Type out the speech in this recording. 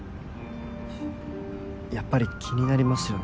やっぱり気になりますよね。